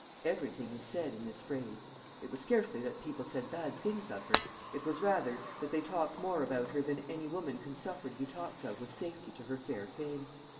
Everything is said in this phrase. It was scarcely that people said bad things of her; it was rather that they talked more about her than any woman can suffer to be talked of with safety to her fair fame.